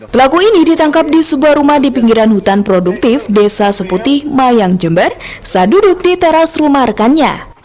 pelaku ini ditangkap di sebuah rumah di pinggiran hutan produktif desa seputih mayang jember saat duduk di teras rumah rekannya